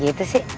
jangan gitu sih